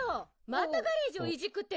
またガレージをいじくってるの？